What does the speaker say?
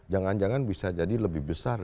jangan jangan bisa jadi lebih besar